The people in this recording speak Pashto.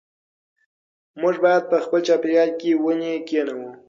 موږ باید په خپل چاپېریال کې ونې کېنوو.